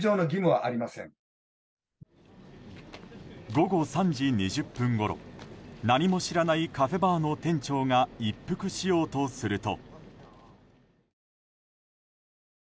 午後３時２０分ごろ何も知らないカフェバーの店長が一服しようとすると。